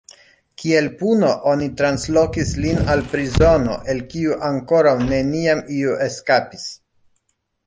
Kiel puno oni translokis lin al prizono el kiu ankoraŭ neniam iu eskapis.